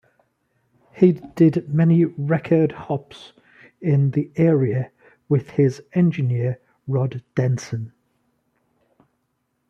He did many Record Hops in the area with his engineer Rod Denson.